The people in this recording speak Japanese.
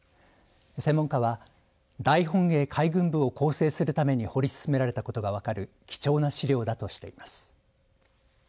専門家は大本営海軍部を構成するために掘り進められたことが分かる貴重な資料だとしています。